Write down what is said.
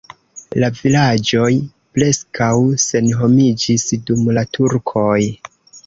La vilaĝoj preskaŭ senhomiĝis dum la turkoj.